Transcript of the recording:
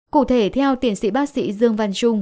cụ thể theo tiến sĩ bác sĩ dương văn trung